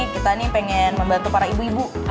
kita nih pengen membantu para ibu ibu